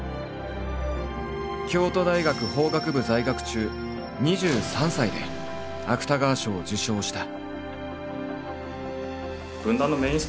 京都大学法学部在学中２３歳で芥川賞を受賞した。